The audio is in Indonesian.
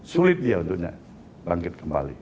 sulit dia untuknya bangkit kembali